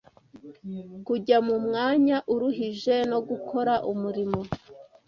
kujya mu mwanya uruhije no gukora umurimo